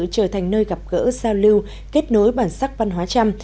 trở thành nơi gặp gỡ giao lưu kết nối bản sắc văn hóa trăm